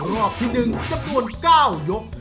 รอบที่๑จำนวน๙ยก